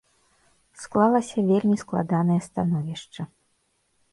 Склалася вельмі складанае становішча.